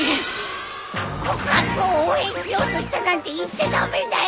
告白を応援しようとしたなんて言っちゃ駄目だよ